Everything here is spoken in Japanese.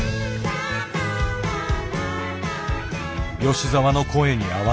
吉澤の声に合わせ歌う。